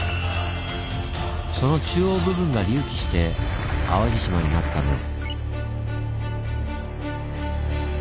その中央部分が隆起して淡路島になったんです。